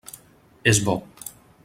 És bo.